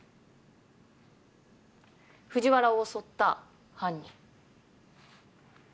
藤原を襲った犯人。